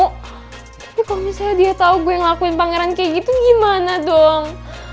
tapi kalau misalnya dia tau gue ngelakuin pangeran kayak gitu gimana dong